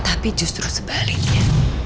tapi justru sebaliknya